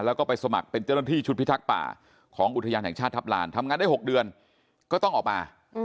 แล้วก็ไปสมัครเป็นเจ้าหน้าที่ชุดพิทักษ์ป่าของอุทยานแห่งชาติทัพลานทำงานได้๖เดือนก็ต้องออกมา